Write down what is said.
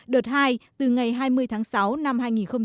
đợt hai từ ngày hai mươi tháng sáu năm hai nghìn một mươi bảy